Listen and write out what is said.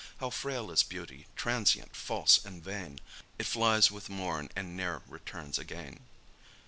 How frail is beauty, transient, false and vain! It flies with morn, and ne'er returns again.